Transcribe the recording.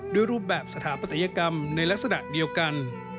รูปแบบสถาปัตยกรรมในลักษณะเดียวกัน